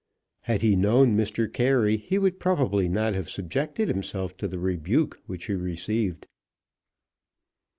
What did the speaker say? Had he known Mr. Carey he would probably not have subjected himself to the rebuke which he received.